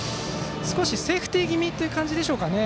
少しセーフティー気味という形でしょうか。